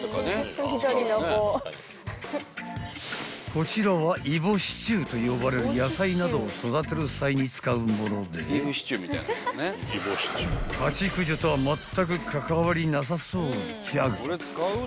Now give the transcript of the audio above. ［こちらはイボ支柱と呼ばれる野菜などを育てる際に使うものでハチ駆除とはまったく関わりなさそうじゃが］